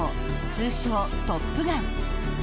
通称・トップガン。